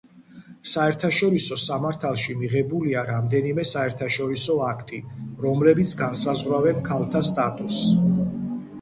საერთაშორისო სამართალში მიღებულია რამდენიმე საერთაშორისო აქტი, რომლებიც განსაზღვრავენ ქალთა სტატუსს.